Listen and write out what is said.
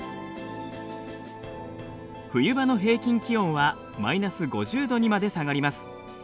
冬場の平均気温はマイナス５０度にまで下がります。